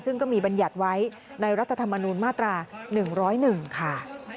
ซึ่งก็มีบรรยัติไว้ในรัฐธรรมนูญมาตรา๑๐๑ค่ะ